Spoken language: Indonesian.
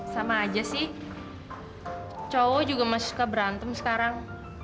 sama aja sih cowok juga masih suka berantem sekarang